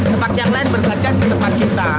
tempat yang lain bergantian ke tempat kita